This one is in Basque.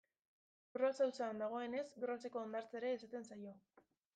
Gros auzoan dagoenez, Groseko hondartza ere esaten zaio.